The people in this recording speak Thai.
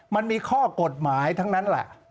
มันมีข้อกฎหมายทั้งนั้นแหละ